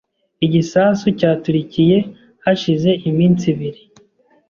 Igisasu cyaturikiye hashize iminsi ibiri .